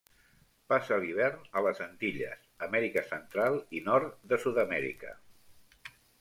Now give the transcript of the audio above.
Passa l'hivern a les Antilles, Amèrica Central i nord de Sud-amèrica.